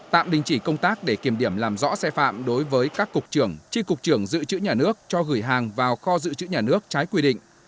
tạm đình chỉ công tác để kiểm điểm làm rõ xe phạm đối với các cục trưởng tri cục trưởng dự trữ nhà nước cho gửi hàng vào kho dự trữ nhà nước trái quy định